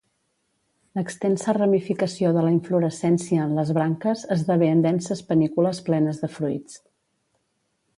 L'extensa ramificació de la inflorescència en les branques esdevé en denses panícules plenes de fruits.